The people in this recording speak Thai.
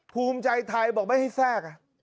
ภูมิใจไทยบอกไม่ให้แทรก